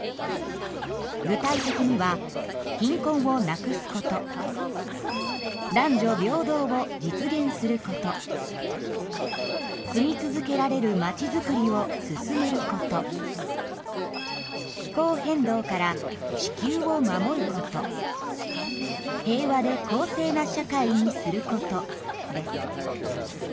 具体的には「貧困をなくすこと」「男女平等を実現すること」「住み続けられるまちづくりを進めること」「気候変動から地球を守ること」「平和で公正な社会にすること」です。